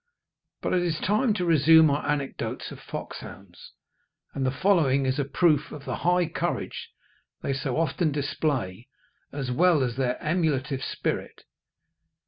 But it is time to resume our anecdotes of foxhounds, and the following is a proof of the high courage they so often display, as well as their emulative spirit.